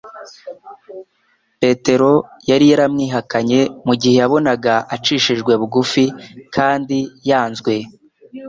Petero yari yaramwihakanye mu gihe yabonaga acishijwe bugufi kandi yanzwe.